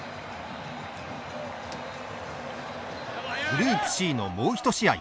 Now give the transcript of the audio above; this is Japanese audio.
グループＣのもう１試合